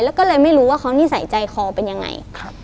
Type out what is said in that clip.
แล้วก็เลยไม่รู้ว่าเขานิสัยใจคอเป็นยังไง